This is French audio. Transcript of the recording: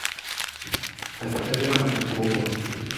A tout à l’heure, madame Grosbois.